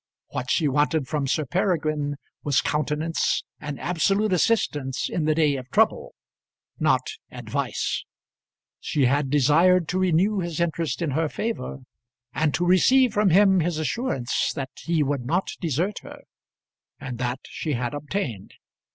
What she wanted from Sir Peregrine was countenance and absolute assistance in the day of trouble, not advice. She had desired to renew his interest in her favour, and to receive from him his assurance that he would not desert her; and that she had obtained.